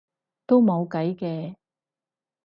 都冇計嘅